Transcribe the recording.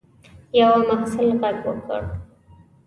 یوه محصل غږ وکړ.